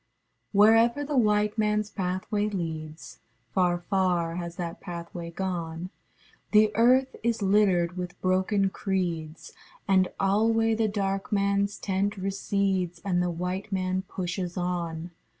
Wherever the white manâs pathway leads, (Far, far has that pathway gone) The Earth is littered with broken creedsâ And alway the dark manâs tent recedes, And the white man pushes on.